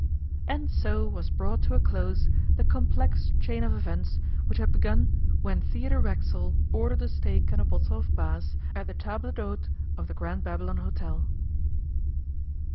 And so was brought to a close the complex chain of events which had begun when Theodore Racksole ordered a steak and a bottle of Bass at the table d'hôte of the Grand Babylon Hôtel.